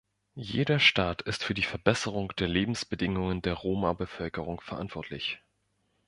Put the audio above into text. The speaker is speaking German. Jeder Staat ist für die Verbesserung der Lebensbedingungen der Roma-Bevölkerung verantwortlich.